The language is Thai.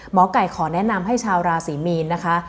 หมอไก่ขอแนะนำให้ชาวราศรีมีนนะคะ